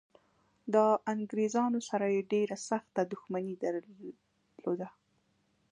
د انګریزانو سره یې ډېره سخته دښمني درلوده.